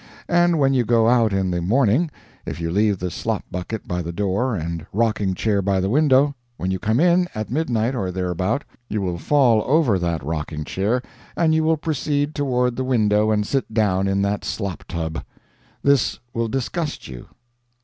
And when you go out in the morning, if you leave the slop bucket by the door and rocking chair by the window, when you come in at midnight or thereabout, you will fall over that rocking chair, and you will proceed toward the window and sit down in that slop tub. This will disgust you.